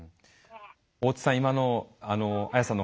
大津さん